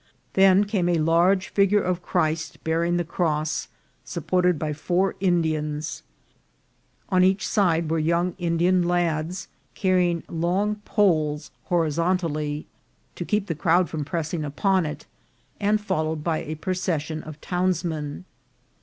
Then came a large figure of Christ bearing the cross, supported by four In dians ; on each side were young Indian lads, carrying CEREMONIES OF GOOD FRIDAY. 211 long poles horizontally, to keep the crowd from pressing upon it, and followed by a procession of townsmen.